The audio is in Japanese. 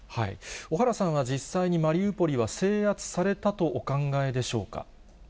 小原さんは実際にマリウポリは制圧されたとお考えでしょうか。